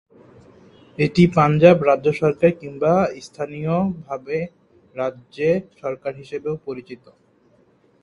এটি পাঞ্জাব রাজ্য সরকার কিংবা স্থানীয়ভাবে রাজ্য সরকার হিসাবেও পরিচিত।